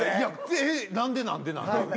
えっなんでなんでなんで？